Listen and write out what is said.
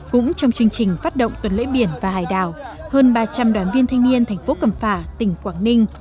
cũng trong chương trình phát động tuần lễ biển và hải đảo hơn ba trăm linh đoàn viên thanh niên thành phố cẩm phả tỉnh quảng ninh